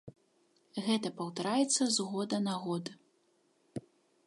Гэта паўтараецца з года на год.